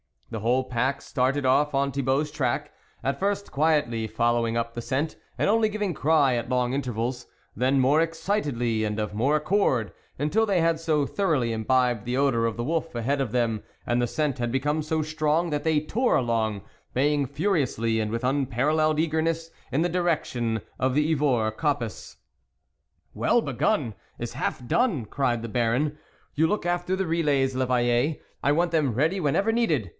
The whole pack started off on Thibault's track, at first quietly following up the scent, and only giving cry at long intervals, then more excitedly and of more accord, until they had so thoroughly imbibed the odour of the wolf ahead of them, and the scent had become so strong, that they tore along, baying furiously, and with unparalleled eagerness in the direction of the Yvors coppice. " Well begun, is half done !" cried the Baron. " You look after the relays, l'Eveill6 ; I want them ready whenever needed